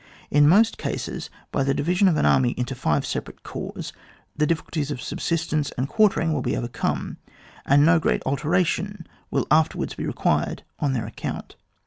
In most cases, by the divi sion of an army into five separate corps, the difficulties of subsistence and quar tering will be overcome, and no great alteration will afterwards be required on their account.